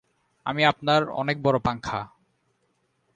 আমি আপনার অনেক বড় পাংখা।